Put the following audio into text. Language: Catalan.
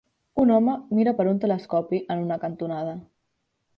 Un home mira per un telescopi en una cantonada.